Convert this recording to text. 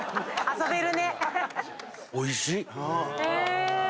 遊べるね。